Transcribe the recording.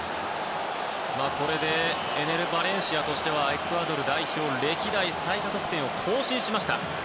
これでエネル・バレンシアとしてはエクアドル代表歴代最多得点を更新しました。